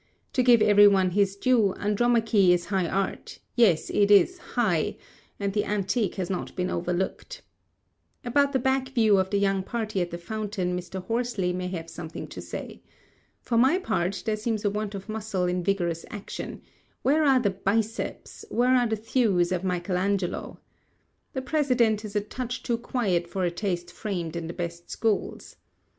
To give every one his due, "Andromache" is high art—yes, it is high—and the Antique has not been overlooked. About the back view of the young party at the fountain Mr. Horsley may have something to say. For my part, there seems a want of muscle in vigorous action: where are the biceps, where are the thews of Michael Angelo? The President is a touch too quiet for a taste framed in the best schools.